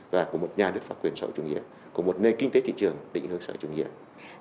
và của một nhà nước pháp quyền sở trung hiệp của một nền kinh tế thị trường định hướng sở trung hiệp